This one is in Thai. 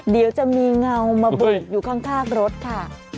เดี๋ยวจะมีเงามาบุกอยู่ข้างรถค่ะ